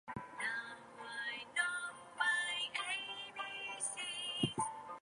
His new project is a collaboration with bassist Simon Little called Little Alex.